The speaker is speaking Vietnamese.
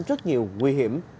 rất nhiều nguy hiểm